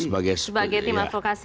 sebagai tim advokasi